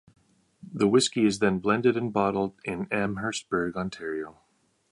The whisky is then blended and bottled in Amherstburg, Ontario.